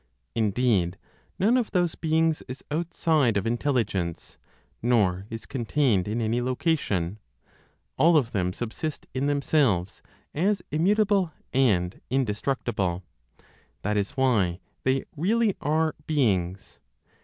Indeed, none of those beings is outside of Intelligence, nor is contained in any location; all of them subsist in themselves as immutable and indestructible. That is why they really are beings.